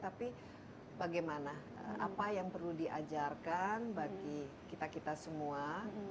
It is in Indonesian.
tapi bagaimana apa yang perlu diajarkan bagi kita kita semua